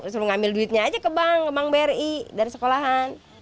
selalu ngambil duitnya aja ke bank bri dari sekolahan